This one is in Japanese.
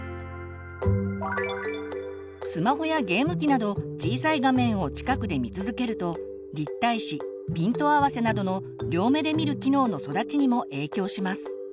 スマホやゲーム機など小さい画面を近くで見続けると立体視ピント合わせなどの両目で見る機能の育ちにも影響します。